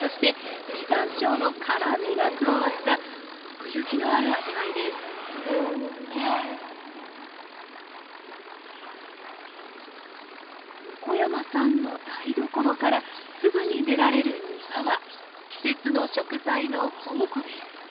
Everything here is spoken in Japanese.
そして実山椒の辛みが加わった奥行きのある味わいです横山さんの台所からすぐに出られる庭は季節の食材の宝庫です